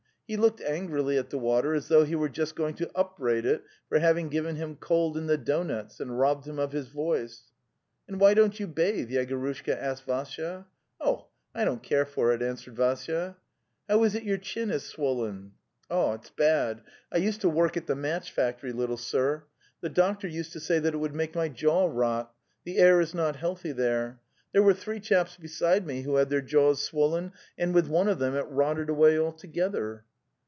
He looked angrily at the water, as though he were just going to up braid it for having given him cold in the Donets and robbed him of his voice. '" And why don't you bathe?" Yegorushka asked Vassya. si "Oh, I don't care\for 16, ¢)'.) 2? answered) Vassya: "' How is it your chin is swollen?" "Tt's bad. ./.'/ FE used) to. work) at the) maten factory, little sir. ... The doctor used to say that it would make my jaw rot. The air is not healthy there. There were three chaps beside me who had their jaws swollen, and with one of them it rotted away altogether."